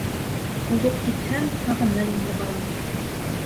Үлеп китһәм, һағыныр инде балам.